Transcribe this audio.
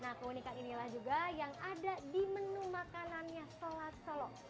nah keunikan inilah juga yang ada di menu makanannya solat solo